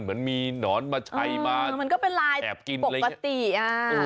เหมือนมีหนอนมาใช้มาแอบกินอ่ามันก็เป็นลายปกติอ่ะ